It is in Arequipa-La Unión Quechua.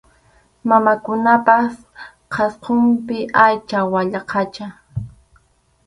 Mamakunapa qhasqunpi aycha wayaqacha.